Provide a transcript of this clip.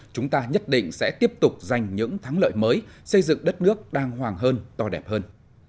chúng ta nhất định sẽ tiếp tục giành những thắng lợi mới xây dựng đất nước đàng hoàng hơn to đẹp hơn